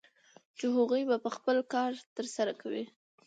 چې هغوی به خپل کار ترسره کوي